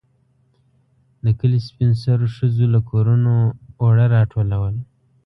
د کلي سپين سرو ښځو له کورونو اوړه راټولول.